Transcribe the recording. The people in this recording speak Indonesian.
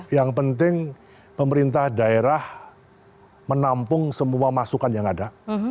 yang penting pemerintah daerah menampung semua masukan yang ada